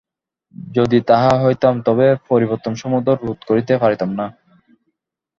যদি তাহা হইতাম, তবে পরিবর্তনসমূহ রোধ করিতে পারিতাম না।